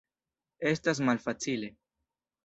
Estas malfacile.